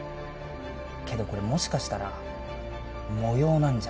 けどこれもしかしたら模様なんじゃ。